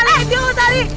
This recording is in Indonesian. ali dia awet ali